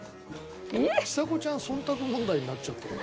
ちさ子ちゃん忖度問題になっちゃってるよ。